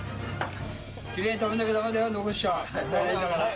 きれいに食べなきゃだめだよ、はい。